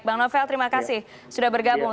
bang novel terima kasih sudah bergabung